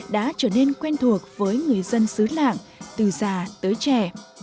đã trở nên quen thuộc với người dân xứ lạng từ già tới trẻ